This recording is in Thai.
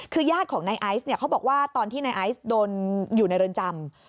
คือญาติของนายไอซ์เนี่ยเขาบอกว่าตอนที่นายไอซ์โดนอยู่ในเรือนจำ